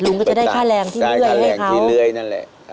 ลุงก็จะได้ค่าแรงที่เหลือยให้เขาได้ค่าแรงที่เหลือยนั่นแหละ